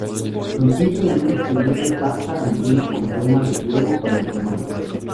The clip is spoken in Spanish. Consiste en un exterior de pasta relleno con crema de huevo y horneado.